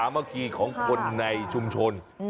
มะคีของคนในชุมชน